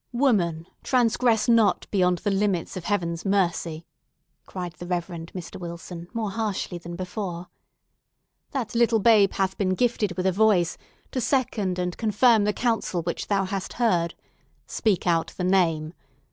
"Woman, transgress not beyond the limits of Heaven's mercy!" cried the Reverend Mr. Wilson, more harshly than before. "That little babe hath been gifted with a voice, to second and confirm the counsel which thou hast heard. Speak out the name!